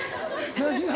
何が？